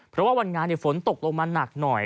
เพราะว่าวันงานฝนตกลงมาหนักหน่อย